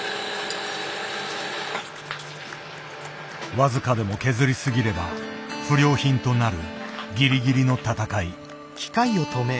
僅かでも削り過ぎれば不良品となるギリギリの闘い。